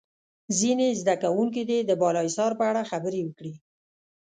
ځینې زده کوونکي دې د بالا حصار په اړه خبرې وکړي.